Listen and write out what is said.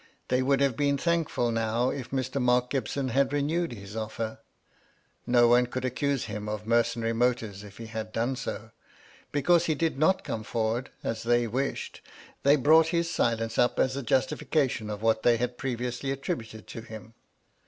They would have been thankful now if Mr. Mark Gibson had renewed his ofier. No one could accuse him of mercenary mo tives if he had done so. Because he did not come forward, as they wished, they brought his silence up as a justification of what they had previously attributed to him.